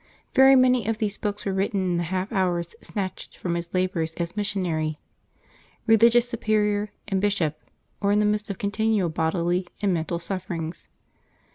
Very many of these books were written in the half hours snatched from his labors as missionary, religious superior, and Bishop, or in the midst of continual bodily and mental sufferings.